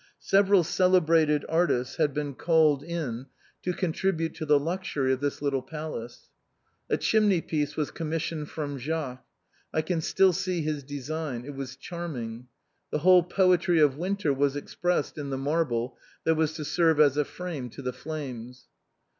Several celebrated artists had been called in to contribute to the luxury of this little palace. A chimney piece was commissioned from Jacques. I can still see his design, it was charming; the whole poetry of winter was expressed in the marble that was to serve as a frame to the flames.